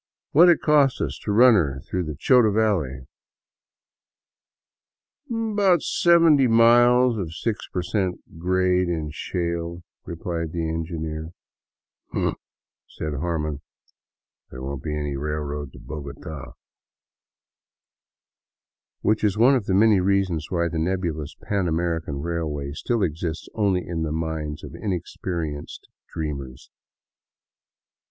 " What 'd it cost us to run her through the Chota valley ?"" About seventy miles of 6% grade in shale," replied the engineer. Hum !" said Harman, " There won't be any railroad to Bogota." Which is one of the many reasons why the nebulous " Pan American Railway " still exists only in the minds of inexperienced dreamers.